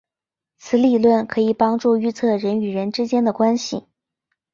此理论可以帮助预测人与人之间的关系。